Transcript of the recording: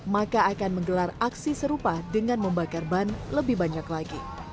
maka akan menggelar aksi serupa dengan membakar ban lebih banyak lagi